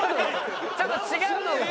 ちょっと違うのが。